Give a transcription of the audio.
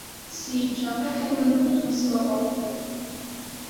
Sinshaka kubura undi munsi w'amavuko